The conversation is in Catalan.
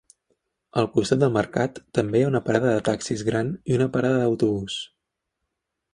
Al costat del mercat també hi ha una parada de taxis gran i una parada d'autobús.